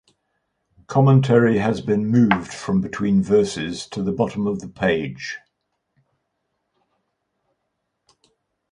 Commentary has been moved from between verses to the bottom of the page.